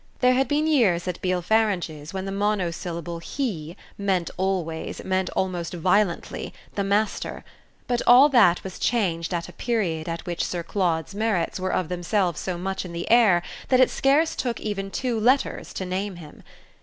There had been years at Beale Farange's when the monosyllable "he" meant always, meant almost violently, the master; but all that was changed at a period at which Sir Claude's merits were of themselves so much in the air that it scarce took even two letters to name him.